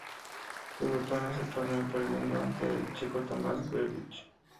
Debutó en este torneo perdiendo ante el checo Tomas Berdych.